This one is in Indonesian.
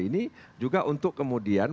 ini juga untuk kemudian